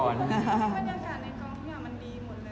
บรรยากาศในกล้องมันดีหมดเลยค่ะ